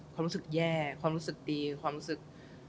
ความรู้สึกแย่ความรู้สึกดีความรู้สึก